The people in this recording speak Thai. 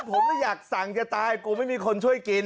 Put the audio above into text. ผมไม่อยากสั่งจะตายกูไม่มีคนช่วยกิน